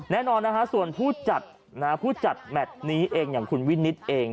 แน่นอนนะฮะส่วนผู้จัดผู้จัดแมทนี้เองอย่างคุณวินิตเอง